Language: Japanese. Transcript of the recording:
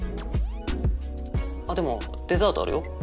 あっでもデザートあるよ。